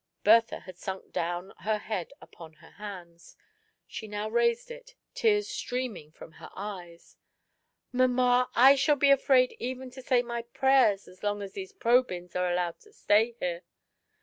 Bertha had sunk down her head upon her hands; she now raised it, tears streaming from her eyes. " Mamma^ I shall be afraid even to say my prayers as long as these Probyns are allowed to stay here."